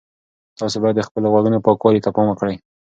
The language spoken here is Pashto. تاسي باید د خپلو غوږونو پاکوالي ته پام وکړئ.